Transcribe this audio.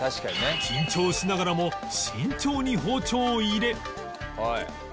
緊張しながらも慎重に包丁を入れ